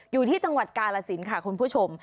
อยู่ที่จังหวัดกาลสินค่ะคุณผู้ชม